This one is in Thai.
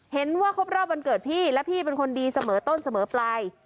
เห็นว่าครบรอบวันเกิดพี่และพี่เป็นคนดีเสมอต้นเสมอปลาย